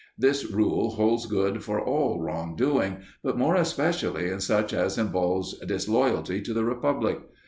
This rule holds good for all wrong doing, but more especially in such as involves disloyalty to the republic.